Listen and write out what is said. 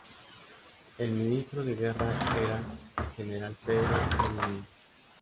El ministro de guerra era el general Pedro E. Muñiz.